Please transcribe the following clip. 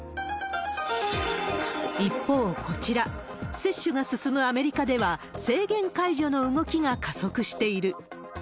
一方こちら、接種が進むアメリカでは、制限解除の動きが加速している。